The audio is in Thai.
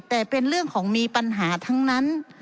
แต่เป็นเรื่องของมีปัญหาทั้งนั้น